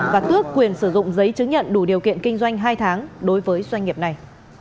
và tước quyền sử dụng giấy chứng nhận đủ điều kiện kinh doanh hai tháng đối với doanh nghiệp này